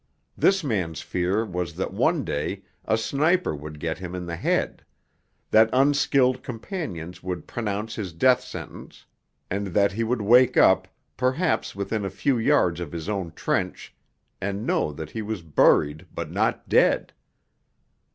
This man's fear was that one day a sniper would get him in the head; that unskilled companions would pronounce his death sentence, and that he would wake up, perhaps within a few yards of his own trench, and know that he was buried but not dead.